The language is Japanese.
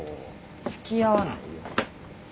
つきあわないよ。